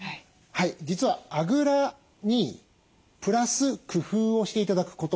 実はあぐらにプラス工夫をして頂くことなんです。